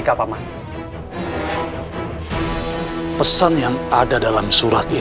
kalau sampai gusi prabu tahu